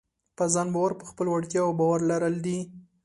په ځان باور په خپلو وړتیاوو باور لرل دي.